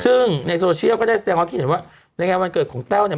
ซึ่งในโซเชียลก็ได้แสดงความคิดเห็นว่าในงานวันเกิดของแต้วเนี่ย